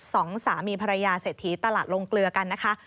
สองสามีภรรยาเศรษฐีตลาดลงเกลือกันนะคะ